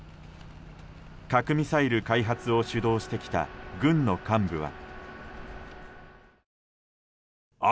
核・ミサイル開発を主導してきた軍の幹部は。